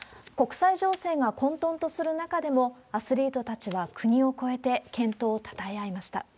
国際情勢が混とんとする中でも、アスリートたちは国を超えて健闘をたたえ合いました。